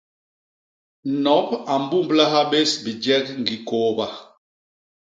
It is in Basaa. Nop a mbumblaha bés bijek ñgi kôôba.